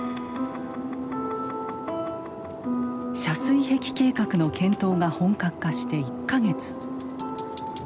遮水壁計画の検討が本格化して１か月。